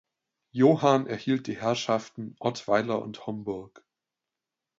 Johann erhielt die Herrschaften Ottweiler und Homburg.